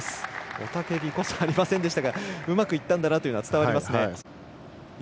雄たけびこそありませんでしたがうまくいったんだなというのは伝わりますね。